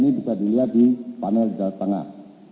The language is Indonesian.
ini bisa dilihat di panel jawa tengah